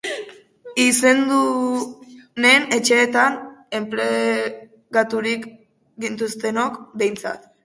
Izendunen etxeetan enplegaturik gintuztenok, behintzat.